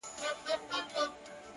ورځي د وريځي يارانه مــاتـه كـړه،